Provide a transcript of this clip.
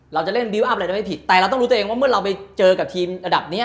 เราจะเล่นดีวัพอะไรจะไม่ผิดแต่เราต้องรู้ตัวเองว่าเมื่อเราไปเจอกับทีมระดับเนี้ย